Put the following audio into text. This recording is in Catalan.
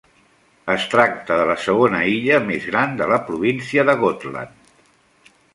Es tracta de la segona illa més gran de la província de Gotland.